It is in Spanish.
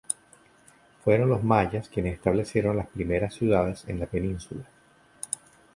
Fueron los mayas quienes establecieron las primeras ciudades en la península.